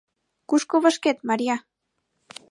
Кушко вашкет, Марья?